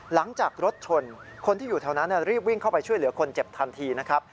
หลังจากรถชนคนที่อยู่แถวนั้นรีบวิ่งเข้าไปช่วยเหลือคนเจ็บทันทีนะครับ